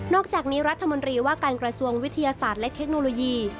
อกจากนี้รัฐมนตรีว่าการกระทรวงวิทยาศาสตร์และเทคโนโลยี